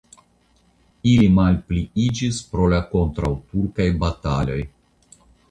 Ili malpliiĝis pro la kontraŭturkaj bataloj.